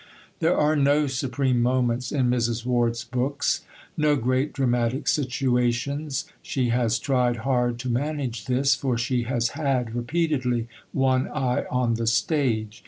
There are no "supreme moments" in Mrs. Ward's books; no great dramatic situations; she has tried hard to manage this, for she has had repeatedly one eye on the stage.